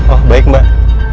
oh baik mbak